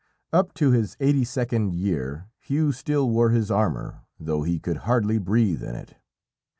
"Up to his eighty second year Hugh still wore his armour, though he could hardly breathe in it.